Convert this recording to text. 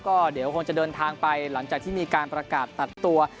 ก็เดี๋ยวคงจะเดินทางไปหลังจากที่มีการประกาศตัดตัว